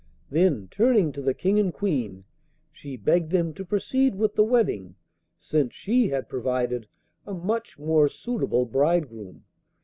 Then turning to the King and Queen, she begged them to proceed with the wedding, since she had provided a much more suitable bridegroom.